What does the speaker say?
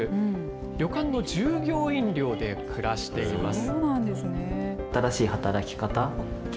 旅館の従業員寮で暮らしています。